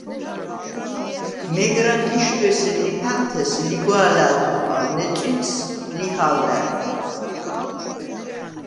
მეგრად ლიშდვეს ი ლიფა̈ლთეს ლიგვა̄ლა̄̈ლ ხოხალ, ნეწვიდს − ლიჰა̄ვდა̈რ.